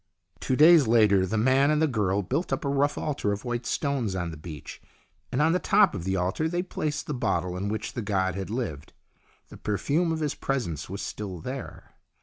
Two days later the man and the girl built up a rough altar of white stones on the beach, and on the top of the altar they placed the bottle in which the god had lived. The perfume of his presence was still there.